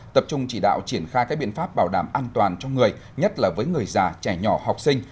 tập trung chỉ đạo triển khai các biện pháp bảo đảm an toàn cho người nhất là với người già trẻ nhỏ học sinh